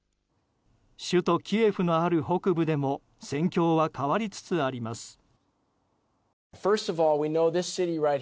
首都キエフのある北部でも戦況は変わりつつあります。